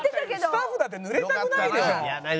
スタッフだって濡れたくないでしょ。